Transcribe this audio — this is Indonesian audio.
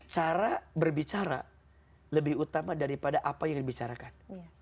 cara berbicara lebih utama daripada apa yang dibicarakan